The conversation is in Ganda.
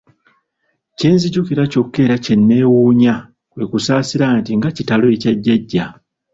Kye nzijukira kyokka era kye neewuunya kwe kunsaasira nti nga kitalo ekya Jjajja.